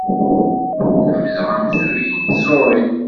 Lemmdeɣ amezruy n tẓuṛi.